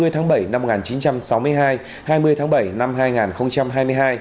hai mươi tháng bảy năm một nghìn chín trăm sáu mươi hai hai mươi tháng bảy năm hai nghìn hai mươi hai